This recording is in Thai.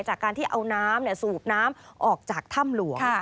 จากการที่เอาน้ำสูบน้ำออกจากถ้ำหลวง